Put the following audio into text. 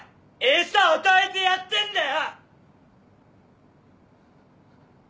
餌与えてやってんだよ！